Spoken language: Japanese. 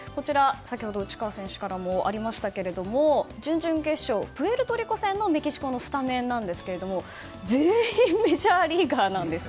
内川選手からもありましたが準々決勝、プエルトリコ戦のメキシコのスタメンなんですが全員メジャーリーガーなんです。